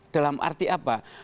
dalam arti apa